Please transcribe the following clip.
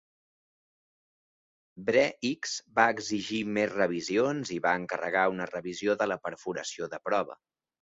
Bre-X va exigir més revisions i va encarregar una revisió de la perforació de prova.